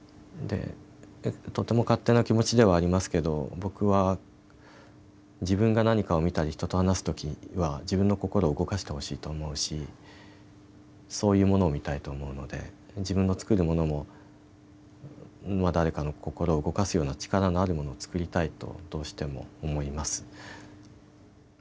とても勝手な気持ちではありますけど僕は、自分が何かを見たり人と話す時は自分の心を動かしてほしいと思うしそういうものを見たいと思うので自分の作るものも誰かの心を動かすような力のあるものを作りたいとどうしても思います。